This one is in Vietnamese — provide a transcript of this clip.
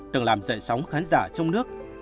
từng làm dậy sóng khán giả trong nước